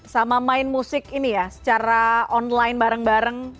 sama main musik ini ya secara online bareng bareng